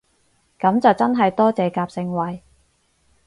噉就真係多謝夾盛惠